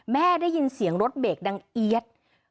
ได้ยินเสียงรถเบรกดังเอี๊ยด